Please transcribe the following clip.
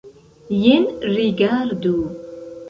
Jen rigardu!